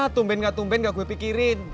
tumben nggak tumben nggak gue pikirin